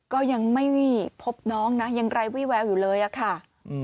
ก็ยังไม่มีพบน้องนะยังไร้วี่แววอยู่เลยอะค่ะ